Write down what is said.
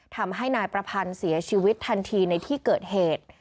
ทำให้นายประพันธ์เสียชีวิตทันทีในที่เกิดเหตุ